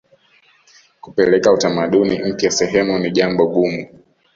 kupeleka utamaduni mpya sehemu ni jambo gumu